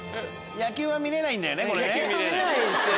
野球は見れないですね。